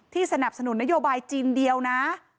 สนับสนุนนโยบายจีนเดียวนะ